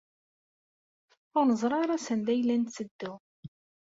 Ur neẓri ara sanda ay la netteddu.